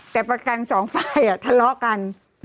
แต่ประกันสองฝ่ายทะเลาะกัน